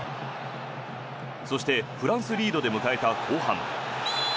そして、フランスリードで迎えた後半。